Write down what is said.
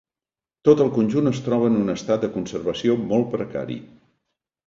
Tot el conjunt es troba en un estat de conservació molt precari.